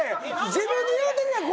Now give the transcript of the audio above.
自分で言うてるやん！